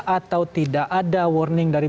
atau tidak ada warning dari